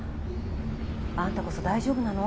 あんたこそ大丈夫なの？